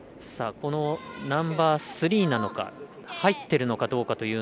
ナンバースリーなのか入っているのかどうか。